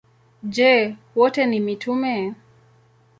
Je, wote ni mitume?